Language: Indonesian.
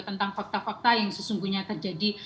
tentang fakta fakta yang sesungguhnya terjadi